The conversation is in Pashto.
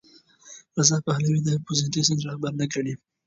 رضا پهلوي د اپوزېسیون رهبر نه ګڼي.